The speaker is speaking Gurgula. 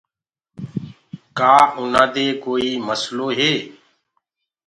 کآ اُنآ دي ڪوئي نسلو هي۔